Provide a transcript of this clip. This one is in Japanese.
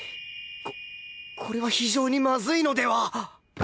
ここれは非常にまずいのでは？